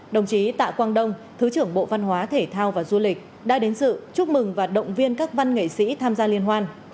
đồng chí tạ quang đông thứ trưởng bộ văn hóa thể thao và du lịch đã đến sự chúc mừng và động viên các văn nghệ sĩ tham gia liên hoan